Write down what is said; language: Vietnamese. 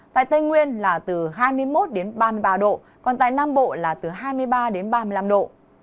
tại tây nguyên là từ hai mươi một đến ba mươi ba độ còn tại nam bộ là từ hai mươi ba đến ba mươi năm độ